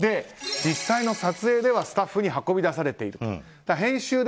実際の撮影ではスタッフに運び出されている。